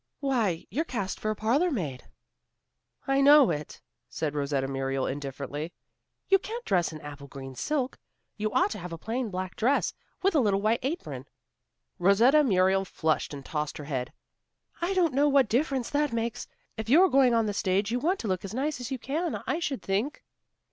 "Why, you're cast for a parlor maid." "I know it," said Rosetta Muriel, indifferently. "You can't dress in apple green silk. You ought to have a plain black dress and a little white apron." Rosetta Muriel flushed and tossed her head. "I don't know what difference that makes. If you're going on the stage you want to look as nice as you can, I should think."